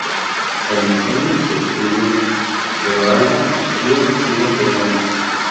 El incendió se extinguió, pero Alba y Kyo siguen peleando.